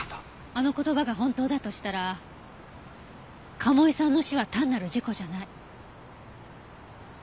あの言葉が本当だとしたら賀茂井さんの死は単なる事故じゃない。